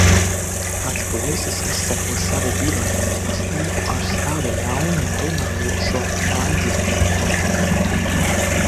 Kāds puisis izseko savu biroja mīlestību ar savu ļauno runājošo mājdzīvnieku palīdzību.